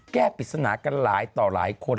ปริศนากันหลายต่อหลายคน